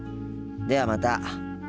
ではまた。